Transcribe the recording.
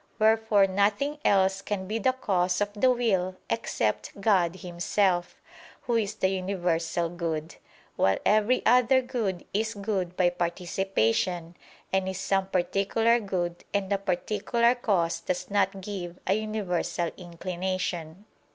Wherefore nothing else can be the cause of the will, except God Himself, Who is the universal good: while every other good is good by participation, and is some particular good, and a particular cause does not give a universal inclination.